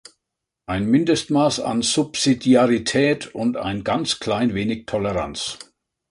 Ein Mindestmaß an Subsidiarität und ein ganz klein wenig Toleranz.